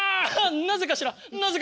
なぜかしら？